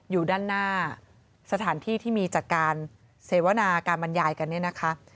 อยู่ด้านหน้าสถานที่ที่มีจากการเสวนาการบรรยายกันเนี่ยนะคะ